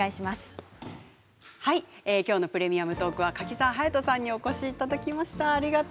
今日の「プレミアムトーク」は柿澤勇人さんにお越しいただきました。